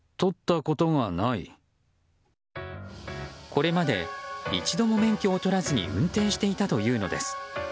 これまで一度も免許をとらずに運転していたというのです。